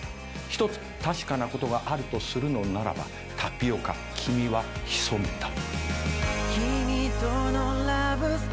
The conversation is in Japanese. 一つ確かなことがあるとするのならばタピオカ君は潜めた。